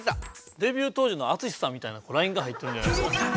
デビュー当時のＡＴＳＵＳＨＩさんみたいなラインが入ってるんじゃないですか。